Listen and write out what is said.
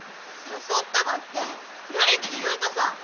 誘ったばってん無理っち言うとさ。